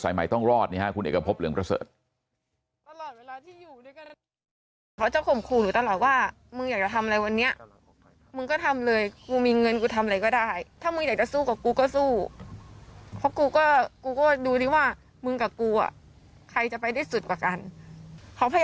สายใหม่ต้องรอดคุณเอกพบเหลืองเบอร์เสิร์ฟ